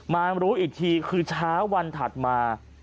มารู้อีกทีคือเช้าวันถัดมา